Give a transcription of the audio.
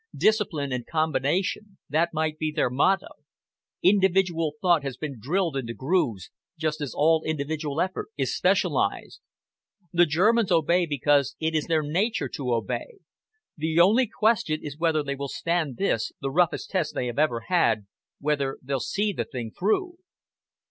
Discipline and combination that might be their motto. Individual thought has been drilled into grooves, just as all individual effort is specialised. The Germans obey because it is their nature to obey. The only question is whether they will stand this, the roughest test they have ever had whether they'll see the thing through."